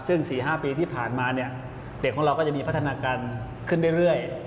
ซึ่ง๔๕ปีที่ผ่านมาเนี่ยเด็กของเราก็จะมีพัฒนาการขึ้นเรื่อย